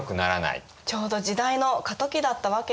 ちょうど時代の過渡期だったわけですね。